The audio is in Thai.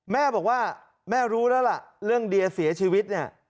แม่บอกว่าแม่รู้แล้วล่ะเรื่องเดียเสียชีวิตเนี่ย